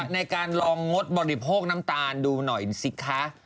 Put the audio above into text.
ในการลองงดบริโภคน้ำตาลดูหน่อยสิคะ